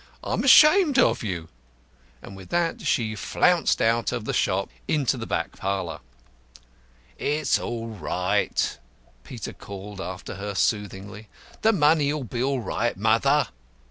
"I'm ashamed of you." And with that she flounced out of the shop into the back parlour. "It's all right," Peter called after her soothingly. "The money'll be all right, mother."